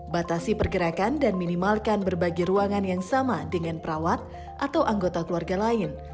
batasi pergerakan dan minimalkan berbagai ruangan yang sama dengan perawat atau anggota keluarga lain